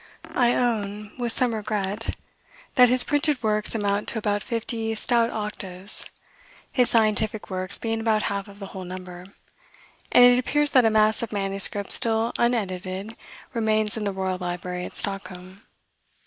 I own, with some regret, that his printed works amount to about fifty stout octaves, his scientific works being about half of the whole number; and it appears that a mass of manuscript still unedited remains in the royal library at Stockholm.